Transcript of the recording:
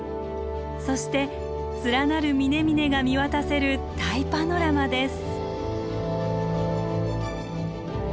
そして連なる峰々が見渡せる大パノラマです。